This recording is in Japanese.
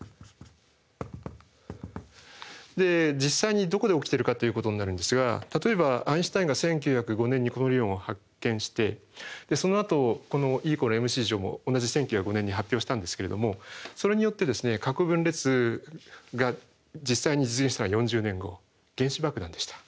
実際にどこで起きてるかということになるんですが例えばアインシュタインが１９０５年にこの理論を発見してそのあとこのＥ＝ｍｃも同じ１９０５年に発表したんですけれどもそれによって核分裂が実際に実現したのは４０年後原子爆弾でした。